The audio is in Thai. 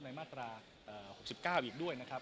มาตรา๖๙อีกด้วยนะครับ